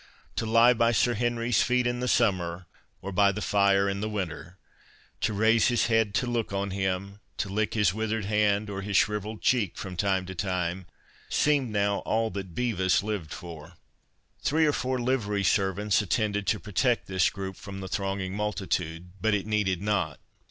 To lie by Sir Henry's feet in the summer or by the fire in winter, to raise his head to look on him, to lick his withered hand or his shrivelled cheek from time to time, seemed now all that Bevis lived for. Three or four livery servants attended to protect this group from the thronging multitude, but it needed not.